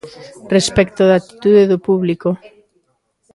Respecto da actitude do público.